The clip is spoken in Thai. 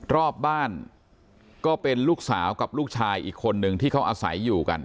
รอบบ้านก็เป็นลูกสาวกับลูกชายอีกคนนึงที่เขาอาศัยอยู่กัน